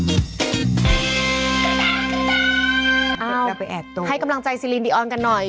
เอ้าให้กำลังใจซีลินดีออนกันหน่อย